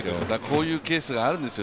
こういうケースがあるんですよ。